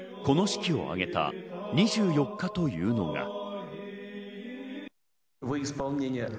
この式を挙げた２４日というのが。